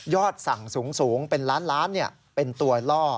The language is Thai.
ยอดสั่งสูงเป็นล้านเป็นตัวล่อ